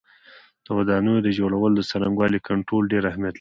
د ودانیو د جوړولو د څرنګوالي کنټرول ډېر اهمیت لري.